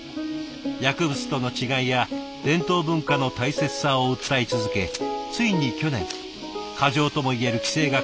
薬物との違いや伝統文化の大切さを訴え続けついに去年過剰ともいえる規制が緩和されました。